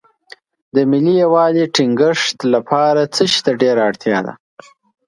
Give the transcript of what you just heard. د ملي یووالي ټینګښت لپاره څه شی ته ډېره اړتیا ده.